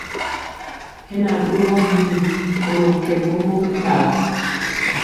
Hɛ na ɗogɔ muu kolɔ kɛ ɓɔmɔ mɛkala.